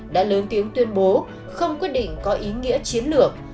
đã lớn tiếng tuyên bố không quyết định có ý nghĩa chiến lược